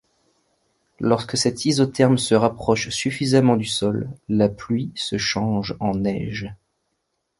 Lorsque cette isotherme se rapproche suffisamment du sol, la pluie se change en neige.